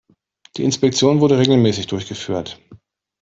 Die Inspektion wurde regelmäßig durchgeführt.